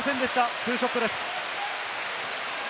ツーショットです。